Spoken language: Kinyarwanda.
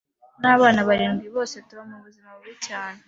n’abana barindwi bose tuba mu buzima bubi cyane